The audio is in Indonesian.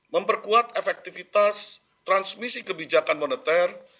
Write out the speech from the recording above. memperkuat efektivitas transmisi kebijakan moneter